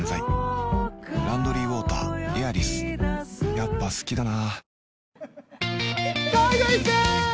やっぱ好きだな